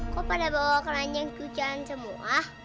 kok pada bawa keranjang hujan semua